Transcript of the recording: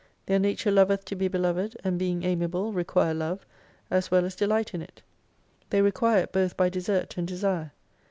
Their nature loveth to be beloved and being amiable require love, as well as delight in it. They require it both by desert and desire.